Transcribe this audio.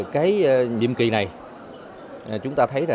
cái nhiệm kỳ này chúng ta thấy là